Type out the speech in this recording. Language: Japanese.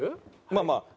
まあまあ。